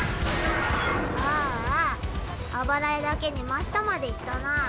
あぁあ荒家だけに真下まで行ったな。